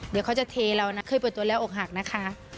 เดี๋ยวเขาจะเทเรานะเคยเปิดตัวแล้วอกหักนะคะ